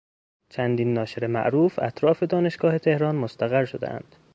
چندین ناشر معروف اطراف دانشگاه تهران مستقر شدهاند.